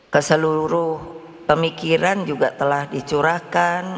keseluruh pemikiran juga telah dicurahkan